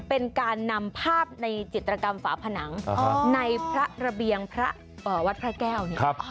เป็นการนำภาพในจิตรกรรมฝาผนังในพระระเบียงวัดพระแก้วเนี่ย